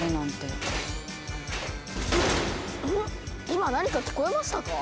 今何か聞こえましたか？